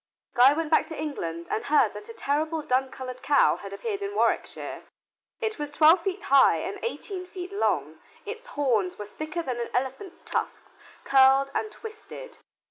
Guy went back to England and heard that a terrible dun colored cow had appeared in Warwickshire. It was twelve feet high and eighteen feet long. Its horns were thicker than an elephant's tusks curled and twisted.